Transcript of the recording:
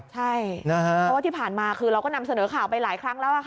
ใช่เพราะว่าที่ผ่านมาคือเราก็นำเสนอข่าวไปหลายครั้งแล้ว